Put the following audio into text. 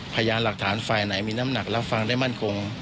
พยานหลักฐานฝ่ายไหนมีน้ำหนักรับฟังได้มั่นคง